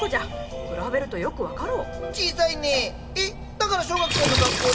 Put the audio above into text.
だから小学生の格好で？